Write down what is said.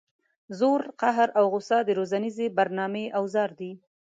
زور قهر او غصه د روزنیزې برنامې اوزار دي.